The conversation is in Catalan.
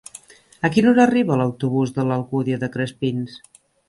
A quina hora arriba l'autobús de l'Alcúdia de Crespins?